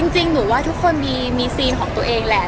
จริงหนูว่าทุกคนมีซีนของตัวเองแหละ